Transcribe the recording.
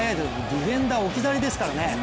ディフェンダー置き去りですからね。